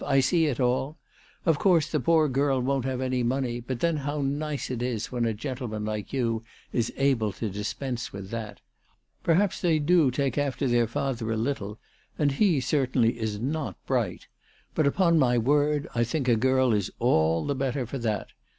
I see it all. Of course the poor girl won't have any money ; but then how nice it is when a gentleman like you is able to dispense with that. Perhaps they do take after their father a little, and he certainly is not bright ; but upon my word, I think a girl is all the better for that.